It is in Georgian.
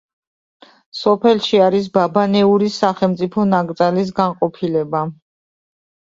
სოფელში არის ბაბანეურის სახელმწიფო ნაკრძალის განყოფილება.